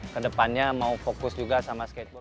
kedepannya mau fokus juga sama skateboar